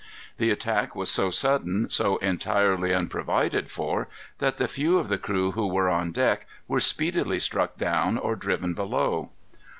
The attack was so sudden, so entirely unprovided for, that the few of the crew who were on deck were speedily struck down or driven below.